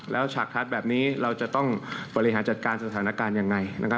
แล้วฉากคัดแบบนี้เราจะต้องบริหารจัดการสถานการณ์ยังไงนะครับ